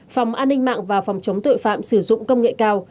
phòng an ninh mạng và phòng chống tội phạm sử dụng công nghệ cao